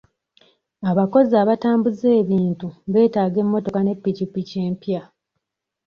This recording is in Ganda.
Abakozi abatambuza ebintu beetaaga emmotoka ne ppikippiki empya